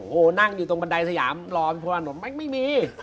โหนั่งอยู่ตรงบันไดสยามรอพี่โฟนไม่มี